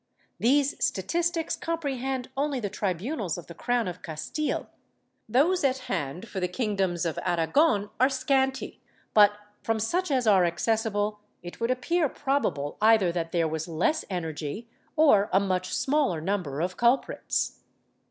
* These statistics comprehend only the tribunals of the crown of Castile; those at hand for the kingdoms of Aragon are scanty but, from such as are accessible, it would appear prob able either that there was less energy or a much smaller number of culprits.